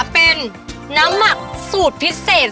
เป็นน้ำหมักสูตรพิเศษ